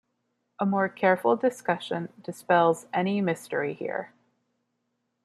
A more careful discussion dispels any mystery here.